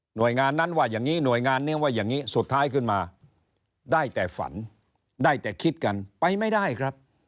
หน่วยงานนั้นว่าอย่างนี้หน่วยงานนี้ว่าอย่างนี้สุดท้ายขึ้นมาได้แต่ฝันได้แต่คิดกันไปไม่ได้ครับ